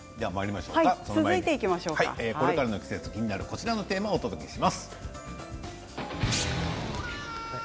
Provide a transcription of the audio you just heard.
これからの季節気になるこちらのテーマをお届けします。